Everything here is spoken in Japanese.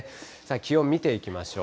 気温見ていきましょう。